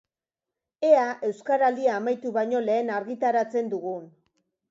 Ea Euskaraldia amaitu baino lehen argitaratzen dugun.